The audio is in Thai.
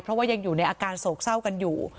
เพราะว่ายังอยู่ในอาการโศกเศร้ากันอยู่